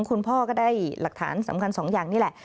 คุณพ่อก็ได้หลักฐานสำคัญสองอย่างนี้แหละ